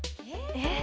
えっ？